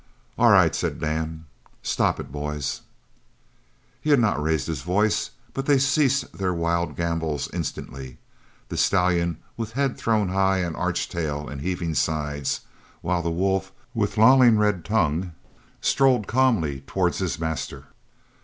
"All right," said Dan. "Stop it, boys." He had not raised his voice, but they ceased their wild gambols instantly, the stallion, with head thrown high and arched tail and heaving sides, while the wolf, with lolling red tongue, strolled calmly towards his master.